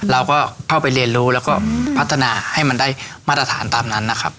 เราก็เข้าไปเรียนรู้แล้วก็พัฒนาให้มันได้มาตรฐานตามนั้นนะครับ